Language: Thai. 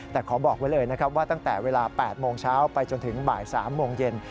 แต่ขอบอกไว้เลยนะครับว่าตั้งแต่เวลา๘โมงเช้าไปจนถึงบ่าย๓โมงเย็น